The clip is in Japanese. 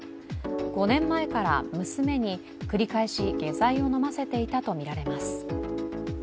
５年前から娘に繰り返し下剤を飲ませていたとみられます。